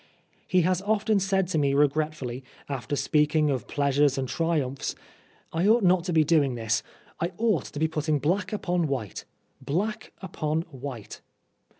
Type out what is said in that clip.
He has often said to me regretfully, after speaking of pleasures and triumphs, " I ought not to be doing this. I ought to be putting black upon white black upon white."